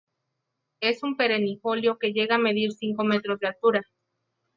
Es un perennifolio que llega a medir cinco metros de altura.